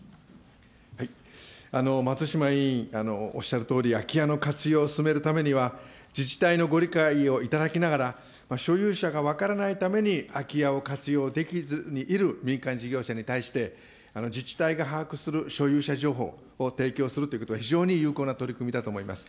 松島委員おっしゃるとおり、空き家の活用を進めるためには、自治体のご理解を頂きながら、所有者が分からないために空き家を活用できずにいる民間事業者に対して、自治体が把握する所有者情報を提供するということは、非常に有効な取り組みだと思います。